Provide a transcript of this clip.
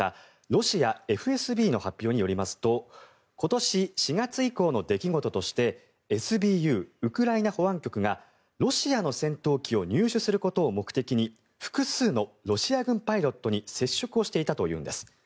ロシア、ＦＳＢの発表によりますと今年４月以降の出来事としてＳＢＵ・ウクライナ保安局がロシアの戦闘機を入手することを目的に複数のロシア軍パイロットに接触していたというんです。